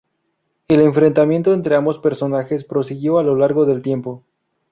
El enfrentamiento entre ambos personajes prosiguió a lo largo del tiempo.